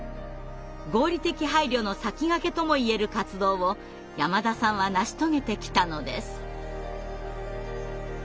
合理的配慮の先駆けとも言える活動を山田さんは成し遂げてきたのです。